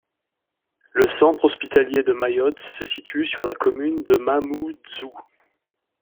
Le centre hospitalier de Mayotte se situe sur la commune de Mamoudzou.